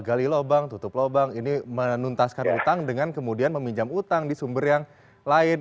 gali lubang tutup lubang ini menuntaskan utang dengan kemudian meminjam utang di sumber yang lain